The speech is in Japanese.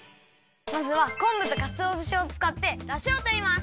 まずはこんぶとかつおぶしをつかってだしをとります！